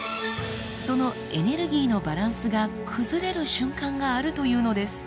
そのエネルギーのバランスが崩れる瞬間があるというのです。